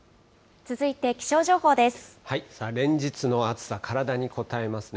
連日の暑さ、体にこたえますね。